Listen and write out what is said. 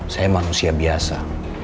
saya manusia biasa